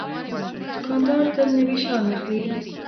دوکاندار تل نوي شیان اخلي.